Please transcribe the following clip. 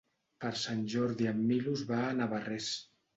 Per Sant Jordi en Milos va a Navarrés.